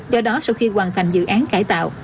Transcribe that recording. do đó sau khi hoàn thành dự án cải tạo